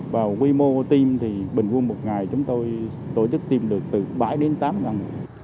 và quy mô tiêm thì bình quân một ngày chúng tôi tổ chức tiêm được từ bảy đến tám người